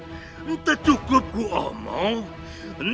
tidak cukup aku berbicara